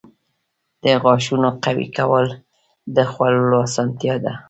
• د غاښونو قوي کول د خوړلو اسانتیا ده.